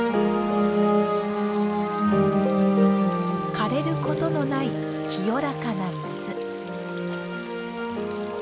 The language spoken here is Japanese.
枯れることのない清らかな水。